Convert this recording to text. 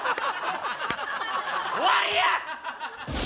終わりや！